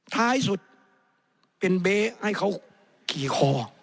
ท้ายสุดเป็นเบ๊ให้เขาขี่คอ